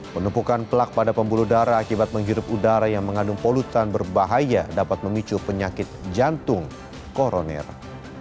penumpukan pelak pada pembuluh darah akibat menghirup udara yang mengandung polutan berbahaya dapat memicu penyakit jantung koroner